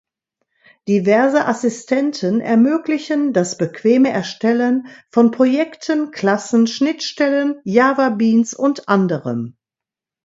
Diverse Assistenten ermöglichen das bequeme Erstellen von Projekten, Klassen, Schnittstellen, Java Beans und anderem.